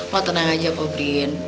lo tenang aja pobrin